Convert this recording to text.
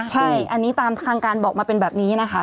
ใช่อันนี้ตามทางการบอกมาเป็นแบบนี้นะคะ